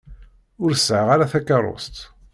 Ur sɛiɣ ara takeṛṛust.